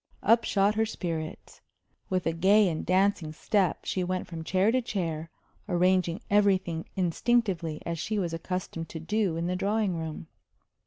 Up shot her spirits. With a gay and dancing step she went from chair to chair, arranging everything instinctively as she was accustomed to do in the drawing room.